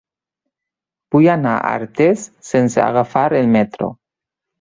Vull anar a Artés sense agafar el metro.